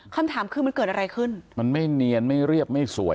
คำถามคือมันเกิดอะไรขึ้นมันไม่เนียนไม่เรียบไม่สวย